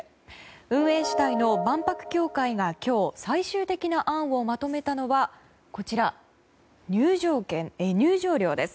運営主体の万博協会が今日、最終的な案をまとめたのはこちら、入場料です。